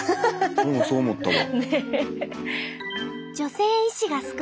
俺もそう思ったわ。